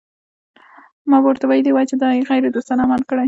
ما به ورته ویلي وای چې دا یې غیر دوستانه عمل کړی.